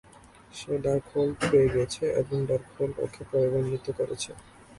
সে Darkhold পেয়ে গেছে এবং ডার্কহোল্ড ওকে প্রভাবান্বিত করছে।